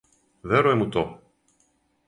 Верујем у то!